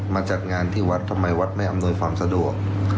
จัดงานที่วัดทำไมวัดไม่อำนวยความสะดวก